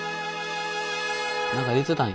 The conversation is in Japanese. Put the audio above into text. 何か言うてたんや。